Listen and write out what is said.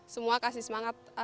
semua kasih semangat